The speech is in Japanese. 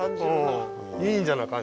忍者な感じ。